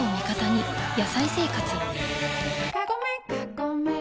「野菜生活」